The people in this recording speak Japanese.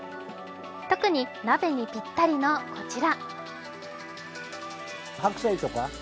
特に、鍋にぴったりのこちら。